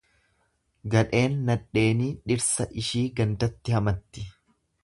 Gadheen nadheenii dhirsa ishee gandatti hamatti.